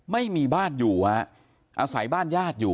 ไม่มีบ้านอยู่ฮะอาศัยบ้านญาติอยู่